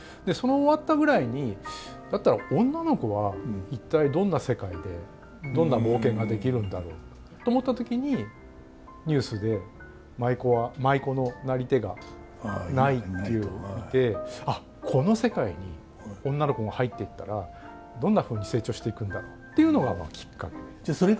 その終わったぐらいにだったら女の子は一体どんな世界でどんな冒険ができるんだろうと思った時にニュースで「舞妓のなり手がない」っていうのを見て「あっこの世界に女の子が入っていったらどんなふうに成長していくんだろう」っていうのがきっかけです。